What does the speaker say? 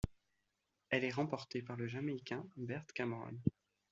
Elle est remportée par le Jamaïcain Bert Cameron.